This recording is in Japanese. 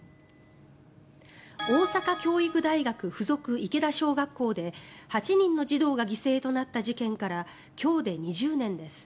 大阪教育大学附属池田小学校で８人の児童が犠牲となった事件から今日で２０年です。